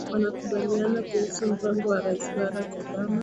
wanakubaliana kuhusu mpango wa rais barack obama